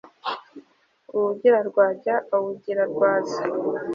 Awugira rwajya awugira rwaza